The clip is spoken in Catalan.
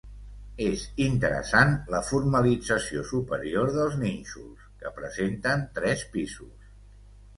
És interessant la formalització superior dels nínxols, que presenten tres pisos.